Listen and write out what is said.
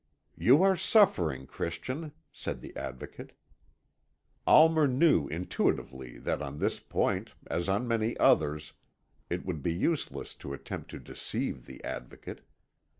"You are suffering, Christian," said the Advocate. Almer knew intuitively that on this point, as on many others, it would be useless to attempt to deceive the Advocate.